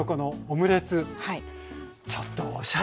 ちょっとおしゃれですね。